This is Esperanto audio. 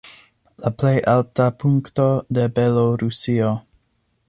La plej alta punkto de Belorusio.